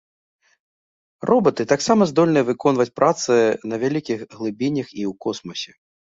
Робаты таксама здольныя выконваць працы на вялікіх глыбінях і ў космасе.